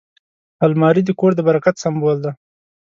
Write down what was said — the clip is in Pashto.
الماري د کور د برکت سمبول دی